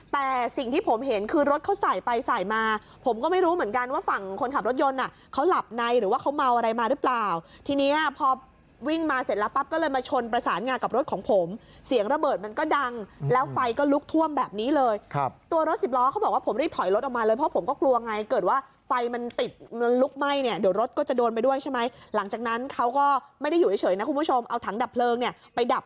แต่สิ่งที่ผมเห็นคือรถเขาใส่ไปใส่มาผมก็ไม่รู้เหมือนกันว่าฝั่งคนขับรถยนต์น่ะเขาหลับในหรือว่าเขาเมาอะไรมาหรือเปล่าทีนี้พอวิ่งมาเสร็จแล้วปั๊บก็เลยมาชนประสานงานกับรถของผมเสียงระเบิดมันก็ดังแล้วไฟก็ลุกท่วมแบบนี้เลยครับตัวรถสิบล้อเขาบอกว่าผมรีบถอยรถออกมาเลยเพราะผมก็กลัวไงเกิดว่